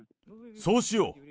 そうしよう。